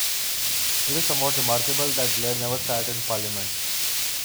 It is somewhat remarkable that Blair never sat in parliament.